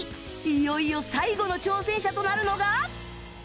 いよいよ最後の挑戦者となるのが